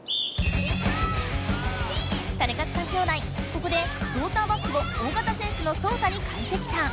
ここでクオーターバックを大がたせん手のソウタにかえてきた。